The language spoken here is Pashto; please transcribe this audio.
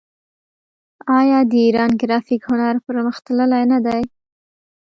آیا د ایران ګرافیک هنر پرمختللی نه دی؟